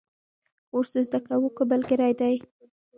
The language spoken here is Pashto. کورس د زده کوونکو ملګری دی.